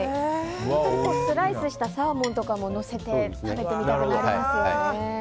スライスしたサーモンとかものせて食べてみたくなりますよね。